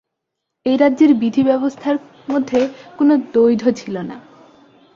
এই রাজ্যের বিধিব্যবস্থার মধ্যে কোনো দ্বৈধ ছিল না।